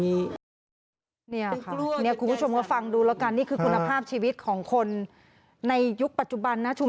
นี่คือคุณภาพชีวิตของคนในยุคปัจจุบันนะ